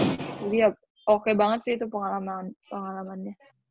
jadi ya oke banget sih itu pengalaman pengalamannya